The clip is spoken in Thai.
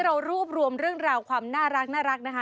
เรารวบรวมเรื่องราวความน่ารักนะคะ